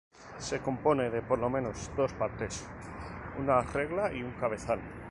Se compone de por lo menos dos partes: una regla y un cabezal.